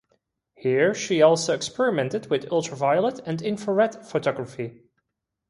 Here she also experimented with ultraviolet and infrared photography.